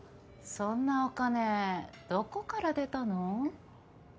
そんなお金どこから出たの？